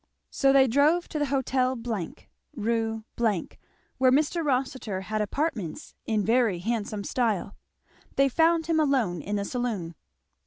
So they drove to the Hotel , Rue , where Mr. Rossitur had apartments in very handsome style. The found him alone in the saloon.